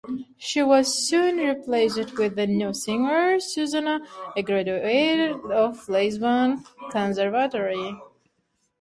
She was soon replaced with a new singer, Susana, a graduate of Lisbon Conservatory.